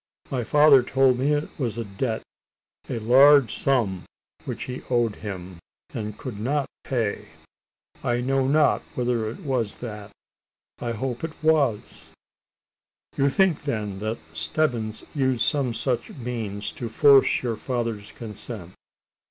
My father told me it was a debt a large sum which he owed him, and could not pay. I know not whether it was that. I hope it was." "You think, then, that Stebbins used some such means to force your father's consent?"